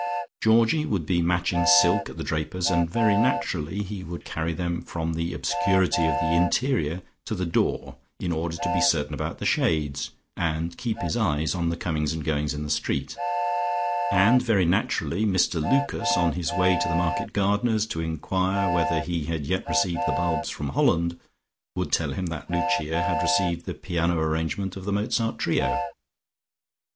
Georgie would be matching silks at the draper's, and very naturally he would carry them from the obscurity of the interior to the door in order to be certain about the shades, and keep his eye on the comings and goings in the street, and very naturally Mr Lucas on his way to the market gardener's to enquire whether he had yet received the bulbs from Holland, would tell him that Lucia had received the piano arrangement of the Mozart trio.